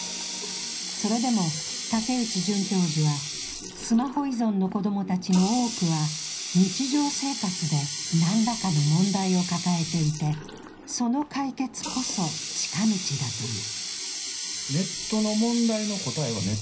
それでも竹内准教授はスマホ依存の子供たちの多くは日常生活で何らかの問題を抱えていてその解決こそ近道だと言う。